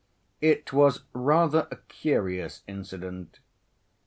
It was rather a curious incident.